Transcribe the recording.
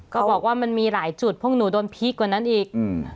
ก็บอกว่ามันมีหลายจุดพวกหนูโดนพีคกว่านั้นอีก